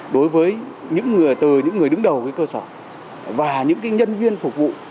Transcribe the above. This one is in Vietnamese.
đối với những người từ những người đứng đầu với cơ sở và những nhân viên phục vụ